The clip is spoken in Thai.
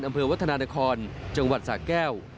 อำเภอวัฒนานครจังหวัดสะแก้ว